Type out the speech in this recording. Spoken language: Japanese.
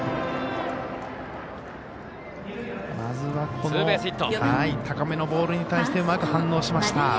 まずは高めのボールに対してうまく反応しました。